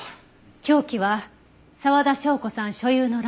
凶器は沢田紹子さん所有のライフル。